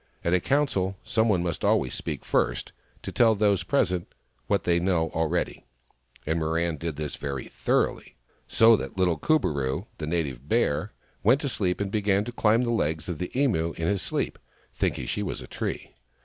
At a council, some one must always speak first, to tell those present what they know already ; and Mirran did this very thoroughly, so that little Kur bo roo, the Native Bear, went to sleep and began to climb up the legs of the Emu in his sleep, thinking she was a tree.